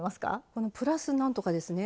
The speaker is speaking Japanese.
このプラス何とかですね。